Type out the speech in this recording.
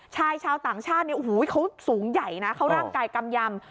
ชายชาวต่างชาติเนี่ยโอ้โหเขาสูงใหญ่นะเขาร่างกายกำยำ